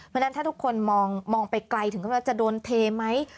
เพราะฉะนั้นทุกคนมองไปไกลถึงว่าจะโดนเถไหม